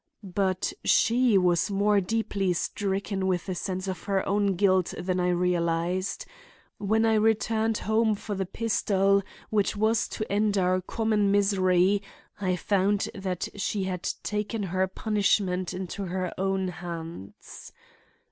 But she was more deeply stricken with a sense of her own guilt than I realized. When I returned home for the pistol which was to end our common misery I found that she had taken her punishment into her own hands.